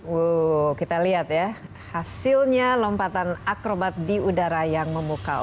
wuh kita lihat ya hasilnya lompatan akrobat di udara yang memukau